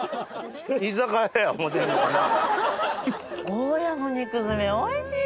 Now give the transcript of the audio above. ゴーヤーの肉詰めおいしい！